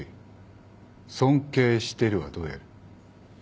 「尊敬してる」はどうやる？